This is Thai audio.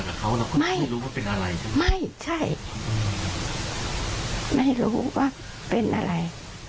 แต่เขาเราก็ไม่รู้ว่าเป็นอะไรใช่ไหมไม่ใช่ไม่รู้ว่าเป็นอะไร